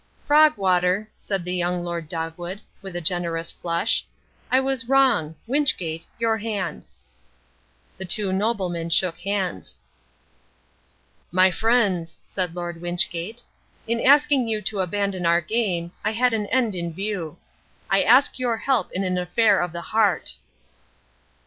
"Frogwater," said young Lord Dogwood, with a generous flush, "I was wrong. Wynchgate, your hand." The two noblemen shook hands. "My friends," said Lord Wynchgate, "in asking you to abandon our game, I had an end in view. I ask your help in an affair of the heart."